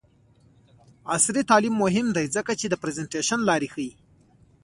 عصري تعلیم مهم دی ځکه چې د پریزنټیشن لارې ښيي.